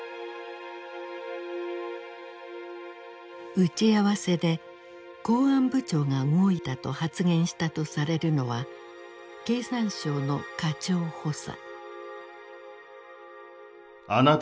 打ち合わせで「公安部長が動いた」と発言したとされるのは経産省の課長補佐。